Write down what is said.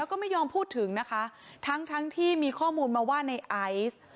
แล้วก็ไม่ยอมพูดถึงนะคะทั้งทั้งที่มีข้อมูลมาว่าในไอซ์